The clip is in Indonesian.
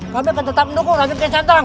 kami akan tetap mendukung raden kian santang